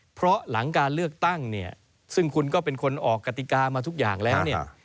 เพราะหลังการเลือกตั้งเนี่ยซึ่งคุณก็เป็นคนออกกติกามาทุกอย่างแล้วเนี่ย